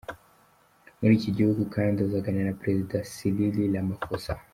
Muri iki gihugu kandi azaganira na Perezida Cyril Ramaphosa.